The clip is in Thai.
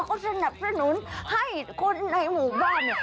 ก็สนับสนุนให้คนในหมู่บ้านเนี่ย